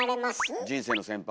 人生の先輩。